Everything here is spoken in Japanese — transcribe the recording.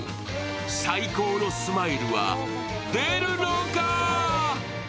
最高のスマイルは出るのか。